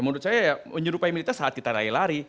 menurut saya menyerupai militer saat kita raya lari